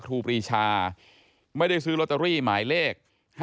ครูปรีชาไม่ได้ซื้อลอตเตอรี่หมายเลข๕๗